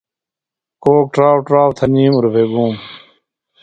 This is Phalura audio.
کوک ٹراؤ ٹراؤ تھئیم اُربھےۡ گُوم۔